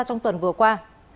trong tuần vừa qua